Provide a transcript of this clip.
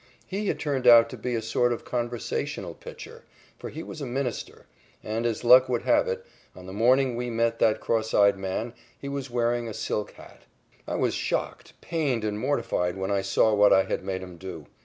He had turned out to be sort of a conversational pitcher, for he was a minister, and, as luck would have it, on the morning we met that cross eyed man he was wearing a silk hat. I was shocked, pained, and mortified when I saw what I had made him do.